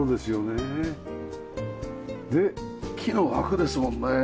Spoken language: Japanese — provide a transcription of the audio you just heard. で木の枠ですもんね。